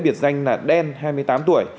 biệt danh là đen hai mươi tám tuổi